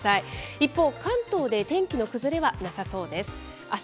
一方、関東で天気の崩れはなさそうです。